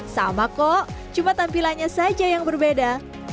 sama kok cuma tampilannya saja yang berbeda